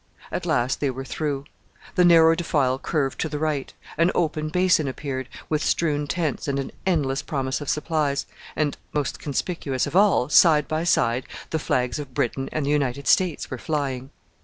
At last they were through. The narrow defile curved to the right; an open basin appeared, with strewn tents and an endless promise of supplies; and most conspicuous of all! side by side the flags of Britain and the United States were flying.